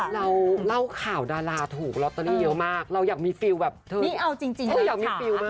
เราเล่าข่าวดาราถูกลอตเตอรี่เยอะมากเราอยากมีฟิลแบบเธอนี่เอาจริงเธออยากมีฟิลมาก